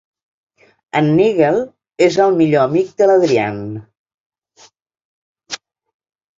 En Nigel és el millor amic de l"Adrian.